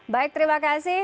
baik terima kasih